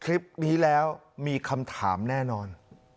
คลิปนี้แล้วมีคำถามแน่นอน